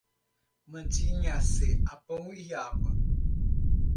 Mantinha-se a pão e água